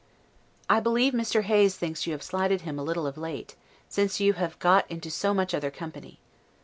I believe Mr. Hayes thinks that you have slighted him a little of late, since you have got into so much other company.